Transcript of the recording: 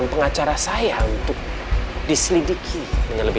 oh baik bu